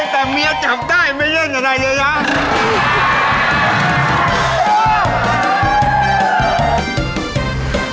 แต่เมียจับได้ไม่เล่นกันใดเลยนะ